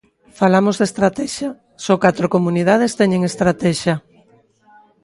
Falamos de estratexia, só catro comunidades teñen estratexia.